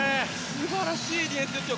素晴らしいディフェンスですよ。